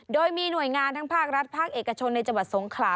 โดยมีหน่วยงานทั้งภาครัฐภาคเอกชนในจังหวัดสงขลา